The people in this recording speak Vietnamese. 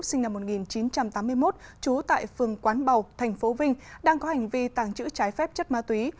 sinh năm một nghìn chín trăm tám mươi một trú tại phường quán bầu tp vinh đang có hành vi tàng trữ trái phép chất ma túy